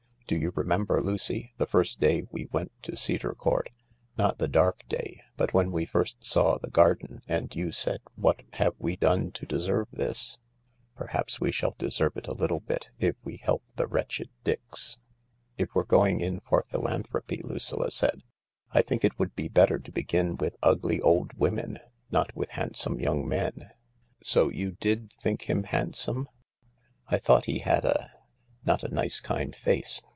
Do you remember, Lucy, the first day we went to Cedar Court — not the dark day, but when we first saw the garden, and you said what have we done to deserve this ? Perhaps we shall deserve it a little bit if we help the wretched Dix." " If we're going in for philanthopy," Lucilla said, " I think it would be better to begin with ugly old women— not with handsome young men." " So you did think him handsome ?"" I thought he had a "" Not a nice, kind face